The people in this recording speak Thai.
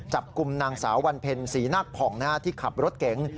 จับกลุ่มนางสาววันเพลินสีหนักผ่องหน้าที่ขับรถเก๋ง